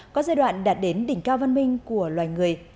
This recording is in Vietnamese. có giai đoạn đạt đến đỉnh cao văn minh của loài người